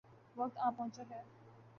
وقت آن پہنچا ہے۔